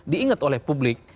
diingat oleh publik